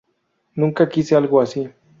Nunca quise algo así.